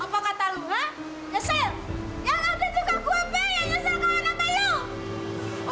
ya gak ada juga gua be yang nyesel kawin sama lu